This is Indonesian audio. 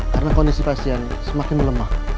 karena kondisi pasien semakin melemah